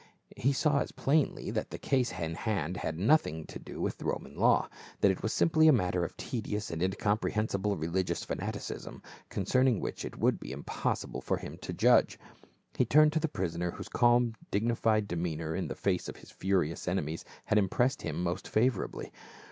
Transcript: He saw as plainly that the case in hand had nothing to do with Roman law, that it was simply a matter of tedious and incomprehensible religious fanaticism, concerning which it would be impossible for him to judge. He turned to the prisoner, whose calm dignified demeanor in the face of his furious enemies had impressed him most favorably.